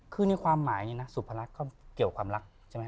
ความหมายนี้นะสุภาลักษณ์ก็เกี่ยวความรัก